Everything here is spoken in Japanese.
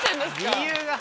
理由が。